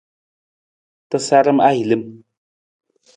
Tasaram ahilim.